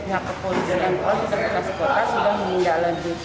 kota kota sudah mengundak lanjut